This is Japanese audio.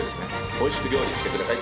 美味しく料理してください。